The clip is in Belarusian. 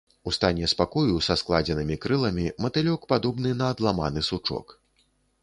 У стане спакою са складзенымі крыламі, матылёк падобны на адламаны сучок.